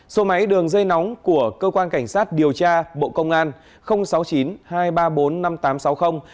số máy đường dây nóng của cơ quan cảnh sát điều tra bộ công an